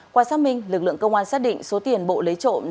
qua xác minh lực lượng công an xác định số tiền bộ lấy trộm